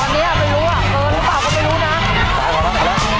เหลืออีก๑๕ครับ